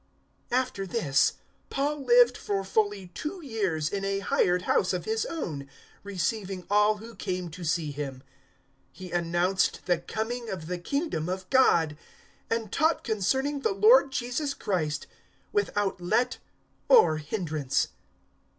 028:029 [] 028:030 After this Paul lived for fully two years in a hired house of his own, receiving all who came to see him. 028:031 He announced the coming of the Kingdom of God, and taught concerning the Lord Jesus Christ without let or hindrance.